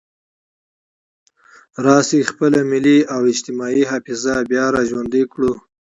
راشئ خپله ملي او اجتماعي حافظه بیا را ژوندۍ کړو.